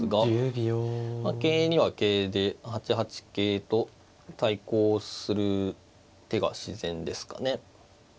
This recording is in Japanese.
桂には桂で８八桂と対抗する手が自然ですかね。